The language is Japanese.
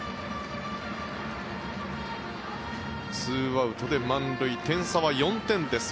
２アウトで満塁点差は４点です。